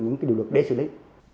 những điều lực để xử lý